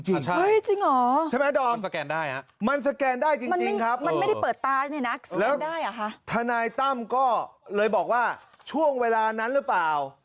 ใช่ใช่ไหมดอมมันสแกนได้จริงครับแล้วธนายตั้มก็เลยบอกว่าช่วงเวลานั้นหรือเปล่า